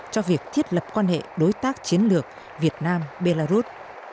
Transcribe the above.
cho việc thiết lập quan hệ đối tác chiến lược việt nam belarus